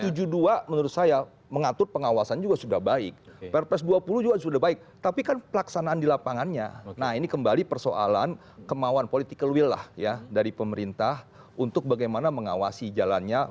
nah menurut saya mengatur pengawasan juga sudah baik perpres dua puluh juga sudah baik tapi kan pelaksanaan di lapangannya nah ini kembali persoalan kemauan political will lah ya dari pemerintah untuk bagaimana mengawasi jalannya